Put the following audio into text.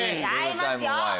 違いますよ！